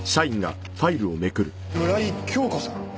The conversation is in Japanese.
村井今日子さん。